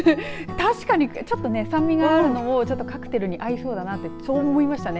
確かにちょっと酸味があるものをカクテルに合いそうだなと思いましたね。